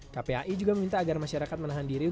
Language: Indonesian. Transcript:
kpai juga meminta agar masyarakat menahan diri